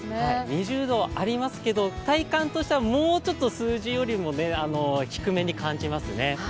２０度ありますけど、体感としてはもうちょっと数字よりも低めに感じますね。